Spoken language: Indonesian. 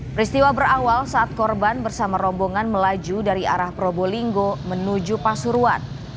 peristiwa berawal saat korban bersama rombongan melaju dari arah probolinggo menuju pasuruan